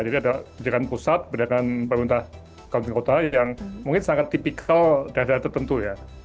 jadi ada pendidikan pusat berdasarkan pemerintah kabupaten kota yang mungkin sangat tipikal dari daerah tertentu ya